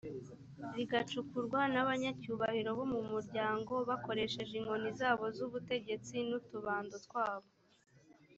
rigacukurwa n’abanyacyubahiro bo mu muryango, bakoresheje inkoni zabo z’ubutegetsi, n’utubando twabo.